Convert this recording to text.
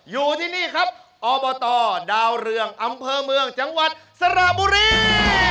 อยู่ที่นี่ครับอบตดาวเรืองอำเภอเมืองจังหวัดสระบุรี